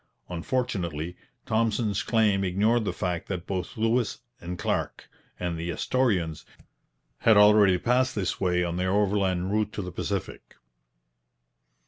Unfortunately, Thompson's claim ignored the fact that both Lewis and Clark and the Astorians had already passed this way on their overland route to the Pacific.